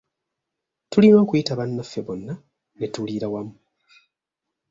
Tulina okuyita bannaffe bonna ne tuliira wamu.